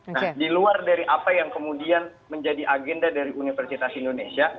nah di luar dari apa yang kemudian menjadi agenda dari universitas indonesia